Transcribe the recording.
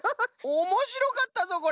おもしろかったぞこれ。